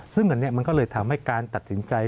ซึ่งอันนี้มันก็เลยทำให้การตัดสินใจ